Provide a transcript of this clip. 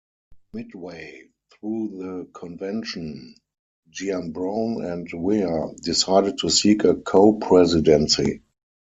Midway through the convention, Giambrone and Weir decided to seek a co-presidency.